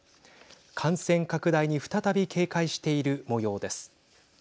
感染拡大に再び警戒しているもようです。